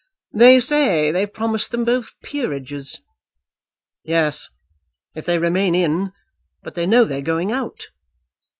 "They say they've promised them both peerages." "Yes; if they remain in. But they know they're going out."